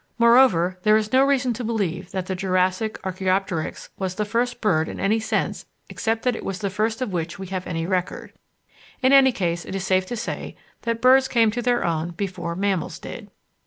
Moreover, there is no reason to believe that the Jurassic Archæopteryx was the first bird in any sense except that it is the first of which we have any record. In any case it is safe to say that birds came to their own before mammals did.